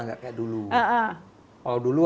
nggak kayak dulu kalau dulu